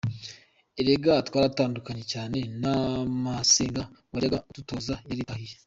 Erega twaratandukanye cyane na masenge wajyaga adutoza yaritahiye.